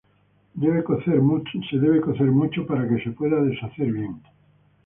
Debe cocer mucho para que se pueda deshacer bien.